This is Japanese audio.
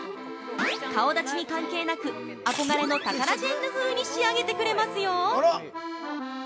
顔立ちに関係なく憧れのタカラジェンヌ風に仕上げてくれますよ！